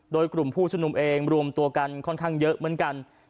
โดยกลุ่มผู้ชุมนุมเองรวมตัวกันค่อนข้างเยอะเหมือนกัน